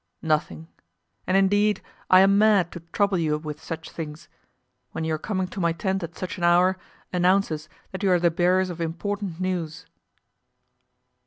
"Nothing; and indeed I am mad to trouble you with such things, when your coming to my tent at such an hour announces that you are the bearers of important news."